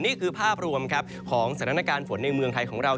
นี่คือภาพรวมของสถานการณ์ฝนในเมืองไทยของเรา